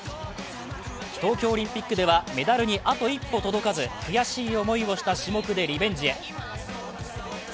東京オリンピックではメダルにあと一歩届かず悔しい思いをした種目でリベンジへ。